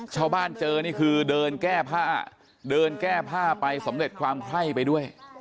ชาวบ้านเจอนี่คือเดินแก้ผ้าไปสำเร็จความไข้ไปด้วย